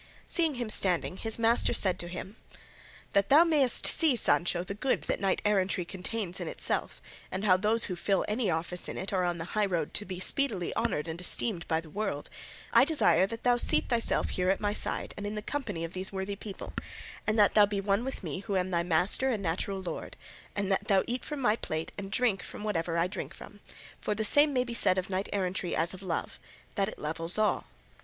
Seeing him standing, his master said to him: "That thou mayest see, Sancho, the good that knight errantry contains in itself, and how those who fill any office in it are on the high road to be speedily honoured and esteemed by the world, I desire that thou seat thyself here at my side and in the company of these worthy people, and that thou be one with me who am thy master and natural lord, and that thou eat from my plate and drink from whatever I drink from; for the same may be said of knight errantry as of love, that it levels all."